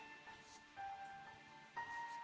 orang lain ataupun orang yang infantil